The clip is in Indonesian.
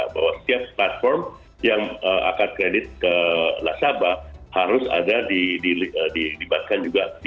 bahwa setiap platform yang angkat kredit ke nasabah harus ada di libatkan juga